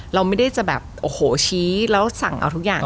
เราไม่ได้จะแบบโอ้โหชี้แล้วสั่งเอาทุกอย่าง